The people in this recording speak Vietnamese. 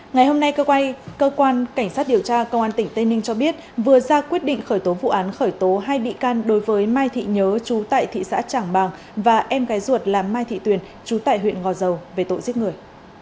ngày hôm nay cơ quan cảnh sát điều tra công an tỉnh tây ninh cho biết vừa ra quyết định khởi tố vụ án khởi tố hai bị can đối với mai thị nhớ chú tại thị xã trảng bàng và em gái ruột là mai thị tuyền chú tại huyện ngò dầu về tội giết người